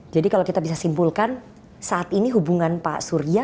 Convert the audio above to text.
jadi kalau kita bisa simpulkan saat ini hubungan pak surya